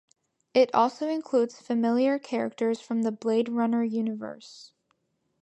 It also includes "familiar" characters from the "Blade Runner" universe.